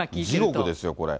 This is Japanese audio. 地獄ですよ、これ。